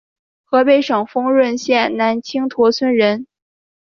河北省丰润县南青坨村人。